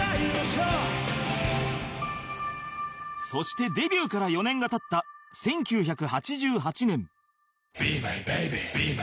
そしてデビューから４年が経った１９８８年